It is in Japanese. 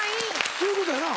そういうことやな？